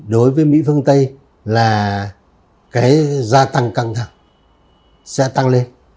đối với mỹ phương tây là cái gia tăng căng thẳng sẽ tăng lên